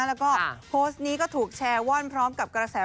แล้วก็โพสต์นี้ก็ถูกแชร์ว่อนพร้อมกับกระแส